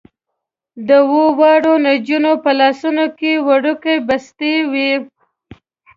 د اوو واړو نجونو په لاسونو کې وړوکې بستې وې.